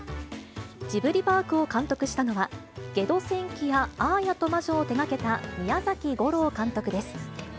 ジブリパークを監督したのは、ゲド戦記やアーヤと魔女を手がけた宮崎吾朗監督です。